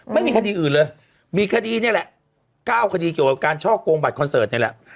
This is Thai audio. ไม่มีคดีอื่นเลยมีคดีนี่แหละ๙คดีเกี่ยวกับการช่อกงบัตรคอนเสิร์ตนี่แหละ